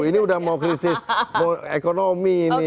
jadi udah mau krisis ekonomi ini